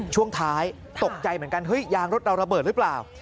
ช่วงท้ายตกใจเหมือนกันเฮ้ยยางรถเราระเบิดหรือเปล่า